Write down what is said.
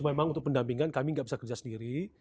karena untuk pendampingan kami nggak bisa kerja sendiri